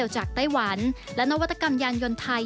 ไต้หวันและนวัตกรรมยานยนต์ไทย